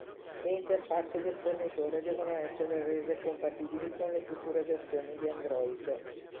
Le interfacce del fornitore devono essere rese compatibili con le future versioni di Android.